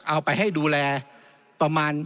เอาไปให้ดูแลประมาณ